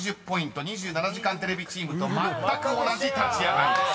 ［２７時間テレビチームとまったく同じ立ち上がりです］